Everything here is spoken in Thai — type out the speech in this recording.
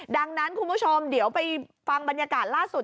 ดังนั้นคุณผู้ชมเดี๋ยวไปฟังบรรยากาศล่าสุด